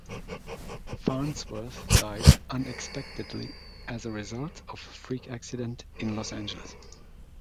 Farnsworth died unexpectedly as a result of freak accident in Los Angeles.